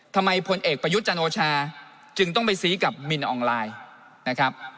ทำไมผลเอกประยุทธจันทร์โอชาจึงต้องไปซีกับมินอองไลน์นะครับ